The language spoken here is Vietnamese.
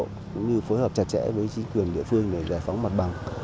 cũng như phối hợp chặt chẽ với chính quyền địa phương để giải phóng mặt bằng